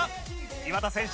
岩田選手